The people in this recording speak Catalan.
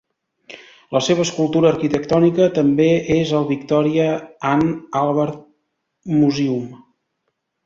La seva escultura arquitectònica també és al Victoria and Albert Museum.